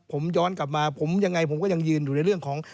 ผมย้อนกลับมาผมยังไงผมก็ยังยืนอยู่ในเรื่องของ